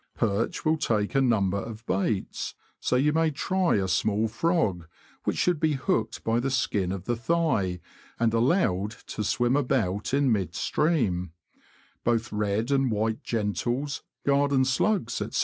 Perch will take a number of baits, so you may try a small frog, which should be hooked by the skin of the thigh, and allowed to swim about in mid stream ; both red and white gentles, garden slugs, &c.